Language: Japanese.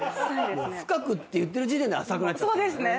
「深く」って言ってる時点で浅くなっちゃうからね。